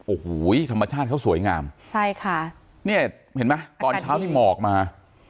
โอ้โหธรรมชาติเขาสวยงามใช่ค่ะเนี่ยเห็นไหมตอนเช้านี่หมอกมา